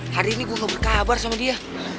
hari ini gue gak berkabar sama dia